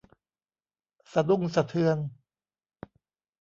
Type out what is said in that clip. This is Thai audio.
สะดุ้งสะเทือน